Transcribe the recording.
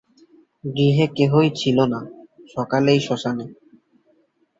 গৃহে কেহই ছিল না, সকলেই শ্মশানে।